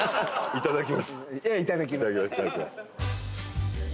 いただきます。